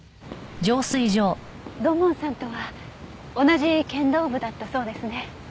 土門さんとは同じ剣道部だったそうですね。